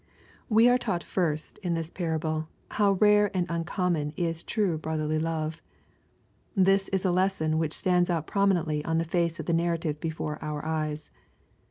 We are taught, first, in this parable, how rare and \, uncommon is true brotherly love. This is a lesson which stands out prominently on the face of the narrative be fore our eyes.